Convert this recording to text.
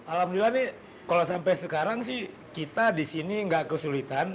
alhamdulillah nih kalau sampai sekarang sih kita di sini nggak kesulitan